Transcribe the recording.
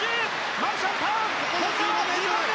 マルシャン、ターン。